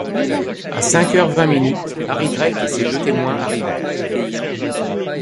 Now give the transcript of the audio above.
À cinq heures vingt minutes, Harry Drake et ses deux témoins arrivèrent.